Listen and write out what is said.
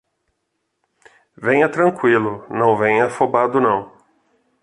Venha tranquilo, não venha afobado não